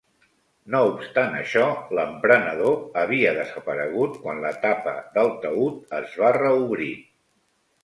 No obstant això, l'emprenedor havia desaparegut quan la tapa del taüt es va reobrir.